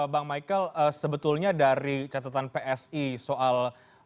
bang michael sebetulnya dari catatan psi soal